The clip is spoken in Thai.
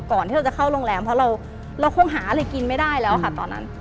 ก่อนที่เราจะเข้าโรงแรมเพราะเราคงหาอะไรกินไม่ได้แล้วค่ะตอนนั้น